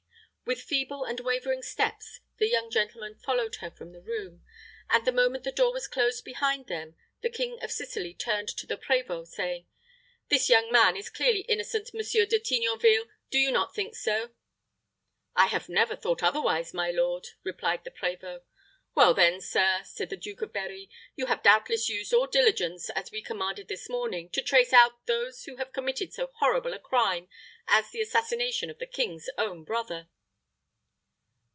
With feeble and wavering steps, the young gentleman followed her from the room; and the moment the door was closed behind them, the King of Sicily turned to the prévôt, saying, "This young man is clearly innocent, Monsieur De Tignonville. Do you not think so?" "I have never thought otherwise, my lord," replied the prévôt. "Well, then, sir," said the Duke of Berri, "you have doubtless used all diligence, as we commanded this morning, to trace out those who have committed so horrible a crime as the assassination of the king's own brother."